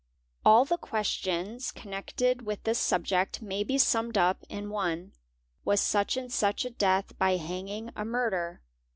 _ All the questions connected with this subject may be summed up in one; was such and such a death by hanging a murder?